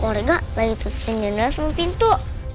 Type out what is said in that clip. worega lagi tutupin jendela sama pintu